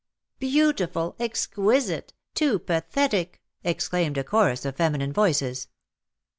'^Beautiful! exquisite! too pathetic!'' exclaimed a chorus of feminine voices.